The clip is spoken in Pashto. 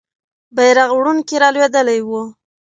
بیرغ وړونکی رالوېدلی وو.